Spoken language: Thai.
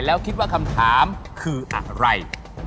แล้วคิดว่าคำถามคืออะไร